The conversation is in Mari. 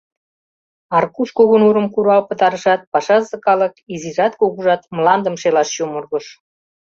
Аркуш кугу нурым курал пытарышат, пашазе калык, изижат-кугужат, мландым шелаш чумыргыш.